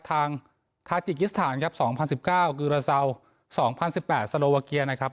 ทางทาจิกิสถานครับสองพันสิบเก้าอุราเซาสองพันสิบแปดสโลวาเกียนะครับ